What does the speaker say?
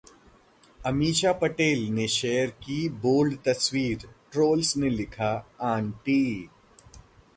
अमीषा पटेल ने शेयर की बोल्ड तस्वीर, ट्रोल्स ने लिखा- आंटी